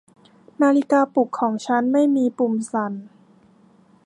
นาฬิกาปลุกของฉันไม่มีปุ่มสั่น